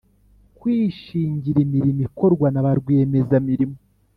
Kwishingira imirimo ikorwa na ba rwiyemezamirimo